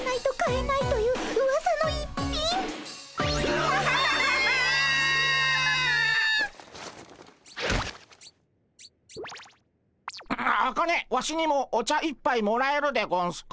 アアカネワシにもお茶一杯もらえるでゴンスか？